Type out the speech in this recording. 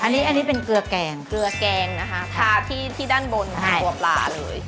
อันนี้อันนี้เป็นเกลือแกงเกลือแกงนะคะทาที่ด้านบนของตัวปลาเลย